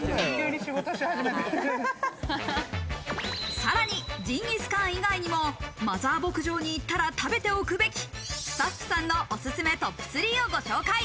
さらにジンギスカン以外にもマザー牧場に行ったら食べておくべきスタッフさんのオススメトップ３をご紹介。